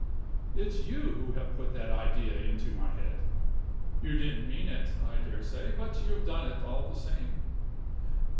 It's you who have put that idea into my head. You didn't mean it, I dare say, but you have done it all the same.